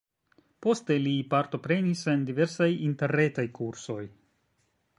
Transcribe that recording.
Poste li partoprenis en diversaj interretaj kursoj.